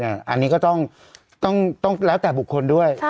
อันนี้ก็ต้องแล้วแต่บุคคลด้วย